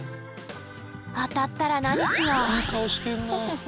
当たったら何しよう？